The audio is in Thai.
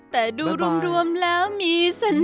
แต่ดูรวมแล้วมีเส้น